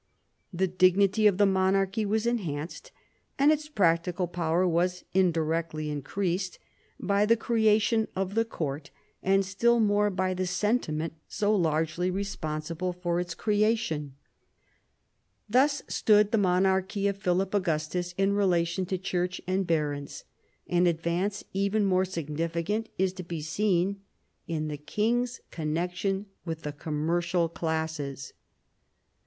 The dignity of the monarchy was enhanced, and its practical power was indirectly in creased by the creation of the court, and still more by the sentiment so largely responsible for its creation. v THE ADVANCE OF THE MONARCHY 139 Thus stood the monarchy of Philip Augustus in relation to church and barons. An advance even more significant is to be seen in the king's connection with the commercial classes.